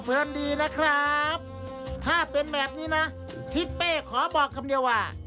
โปรดติดตามตอนต่อไป